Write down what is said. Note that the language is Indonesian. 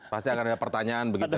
pasti akan ada pertanyaan begitu